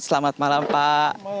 selamat malam pak